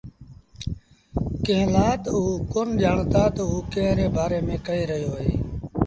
ڪݩهݩ لآ تا اوٚ ڪون ڄآڻتآ تا اوٚ ڪݩهݩ ري بآري ميݩ ڪهي رهيو اهي۔